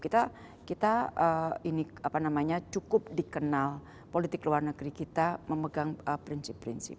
kita kita ini apa namanya cukup dikenal politik luar negeri kita memegang prinsip prinsip